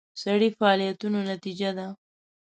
سړي فعالیتونو نتیجه ده.